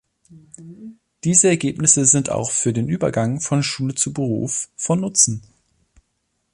Diese Ergebnisse sind auch für den Übergang von Schule zu Beruf von Nutzen.